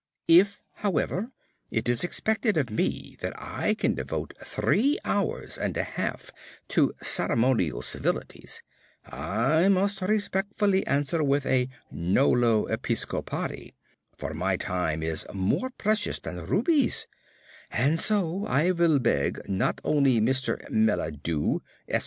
If, however, it is expected of me that I can devote three hours and a half to ceremonial civilities, I must respectfully answer with a Nolo episcopari, for my time is more precious than rubies, and so I will beg not only Mr MELLADEW, Esq.